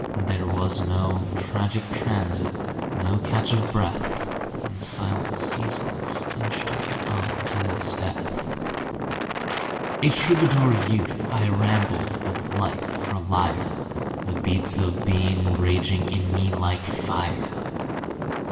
There was no tragic transit, No catch of breath, When silent seasons inched me On to this death .... A Troubadour youth I rambled With Life for lyre, The beats of being raging In me like fire.